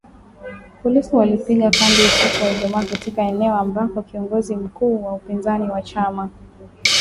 Polisi walipiga kambi usiku wa Ijumaa katika eneo ambako kiongozi mkuu wa upinzani wa chama